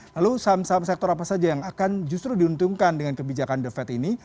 lalu saham saham sektor apa saja yang akan justru diuntungkan dengan kebijakan the fed ini